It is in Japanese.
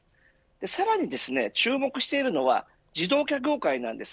さらに注目しているのは自動車業界なんです。